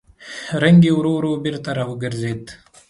رنګ يې ورو ورو بېرته راوګرځېد.